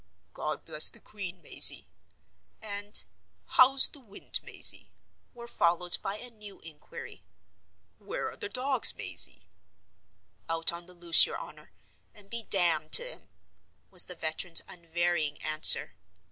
"God bless the Queen, Mazey," and "How's the wind, Mazey?" were followed by a new inquiry: "Where are the dogs, Mazey?" "Out on the loose, your honor, and be damned to 'em," was the veteran's unvarying answer.